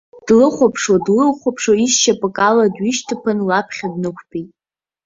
Длыхәаԥшуа, длыхәаԥшуа, изшьапык ала дҩышьҭыԥан, лаԥхьа днықәтәеит.